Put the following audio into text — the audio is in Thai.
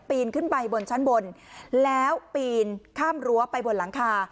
นขึ้นไปบนชั้นบนแล้วปีนข้ามรั้วไปบนหลังคา